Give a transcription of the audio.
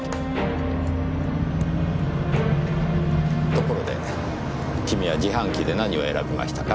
ところで君は自販機で何を選びましたか？